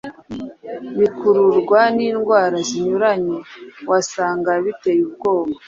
bikururwa n’indwara zinyuranye wasanga biteye ubwoba!